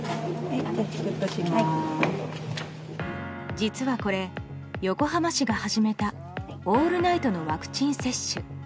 実はこれ、横浜市が始めたオールナイトのワクチン接種。